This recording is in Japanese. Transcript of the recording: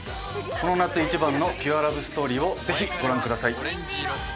この夏一番のピュアラブストーリーをぜひご覧ください。